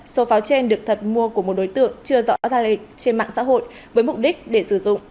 số pháo trên được thật mua của một đối tượng chưa rõ ra lịch trên mạng xã hội với mục đích để sử dụng